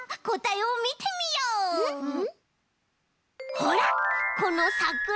ほらこのさくら。